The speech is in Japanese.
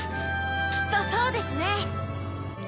きっとそうですね。